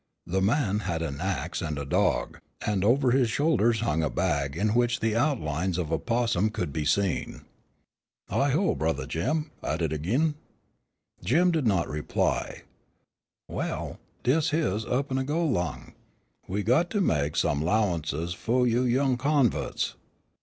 The man had an axe and a dog, and over his shoulders hung a bag in which the outlines of a 'possum could be seen. "Hi, oh, Brothah Jim, at it agin?" Jim did not reply. "Well, des' heish up an' go 'long. We got to mek some 'lowances fu' you young convu'ts.